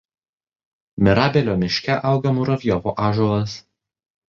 Mirabelio miške auga Muravjovo ąžuolas.